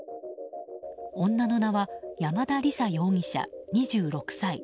女の名は山田李沙容疑者、２６歳。